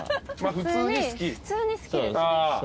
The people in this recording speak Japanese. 普通に好きですね。